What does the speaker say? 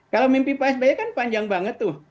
kalau mimpi pak sby kan panjang banget tuh